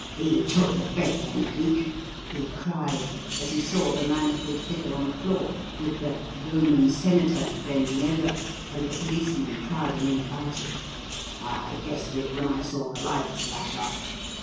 "He took the bait, then, Cleek?" he cried, as he saw the manacled figure on the floor, with the "Roman senator" bending over and the policemen crowding in about it. "I guessed it when I saw the lights flash up.